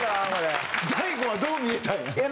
大吾はどう見えたんや？